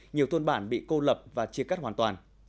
nhiều thôn bản bị cô lập và chia cắt hoàn toàn